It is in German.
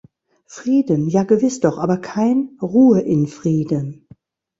Frieden, ja gewiss doch, aber kein "Ruhe in Frieden"!